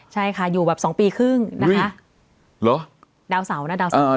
ใช่ค่ะอยู่แบบสองปีครึ่งนะคะเหรอดาวเสานะดาวเสา